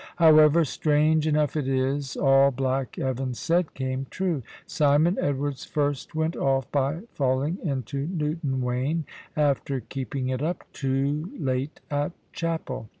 However, strange enough it is, all black Evan said came true. Simon Edwards first went off, by falling into Newton Wayn, after keeping it up too late at chapel.